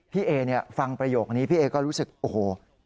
เอเนี่ยฟังประโยคนี้พี่เอก็รู้สึกโอ้โห